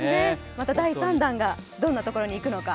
また第３弾、どんなところに行くのか。